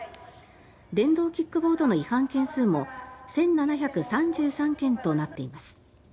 電動キックボードの違反件数も１７３３件となっています。